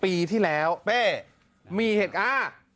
ปีที่แล้วเป๊มีเหตุการณ์